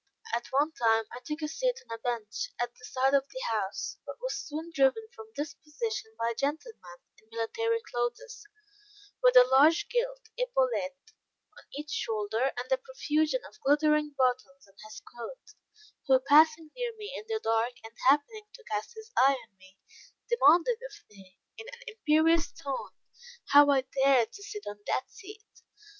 At one time, I took a seat on a bench, at the side of the house; but was soon driven from this position by a gentleman, in military clothes, with a large gilt epaulet on each shoulder, and a profusion of glittering buttons on his coat; who passing near me in the dark, and happening to cast his eye on me, demanded of me, in an imperious tone, how I dared to sit on that seat.